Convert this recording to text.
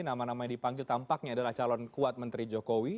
nama nama yang dipanggil tampaknya adalah calon kuat menteri jokowi